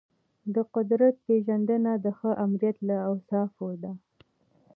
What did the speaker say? د قدرت پیژندنه د ښه آمریت له اوصافو ده.